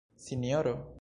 Sinjoro?